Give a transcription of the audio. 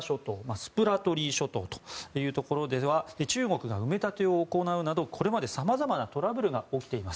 スプラトリー諸島というところでは中国が埋め立てを行うなどこれまで様々なトラブルが起きています。